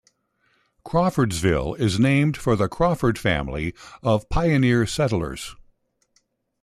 Crawfordsville is named for the Crawford family of pioneer settlers.